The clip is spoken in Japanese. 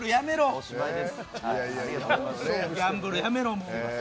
ギャンブルやめろ。